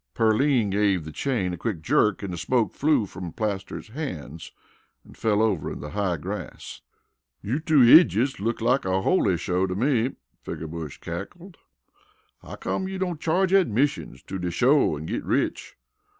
Pearline gave the chain a quick jerk and the smoke flew from Plaster's fingers and fell over in the high grass. "You two idjits look like a holy show to me," Figger Bush cackled. "How come you don't charge admissions to de show an' git rich?"